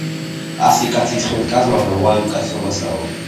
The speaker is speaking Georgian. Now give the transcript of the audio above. ასი კაცი ცხენს კაზმავდა, "ვაი უკაცობასაო